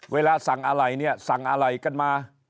เวลาสั่งอะไรเนี่ยสั่งอะไรกันมา